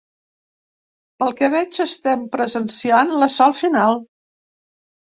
Pel que veig, estem presenciant l’assalt final.